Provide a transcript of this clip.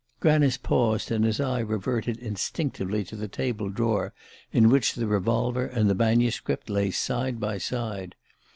Granice paused and his eye reverted instinctively to the table drawer in which the revolver and the manuscript lay side by side.